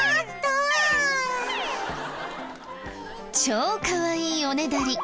超かわいいおねだり。